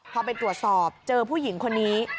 พอไปตรวจสอบเจอผู้หญิงคนนี้